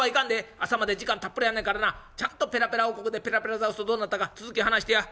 朝まで時間たっぷりあんねんからなちゃんとペラペラ王国でペラペラザウルスとどうなったか続き話してや」。